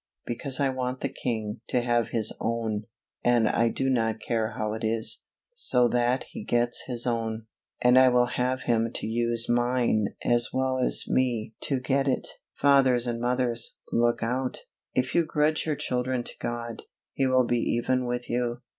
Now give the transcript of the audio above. Because I want the King to have His own, and I do not care how it is, so that He gets His own, and I will have Him to use mine as well as me to get it. Fathers and mothers, look out! If you grudge your children to God, He will be even with you.